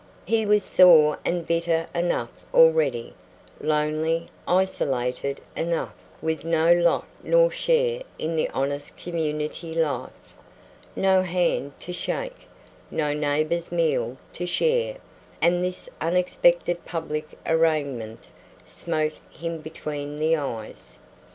He was sore and bitter enough already; lonely, isolated enough; with no lot nor share in the honest community life; no hand to shake, no neighbor's meal to share; and this unexpected public arraignment smote him between the eyes.